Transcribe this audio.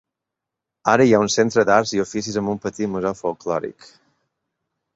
Ara hi ha un centre d'arts i oficis amb un petit museu folklòric.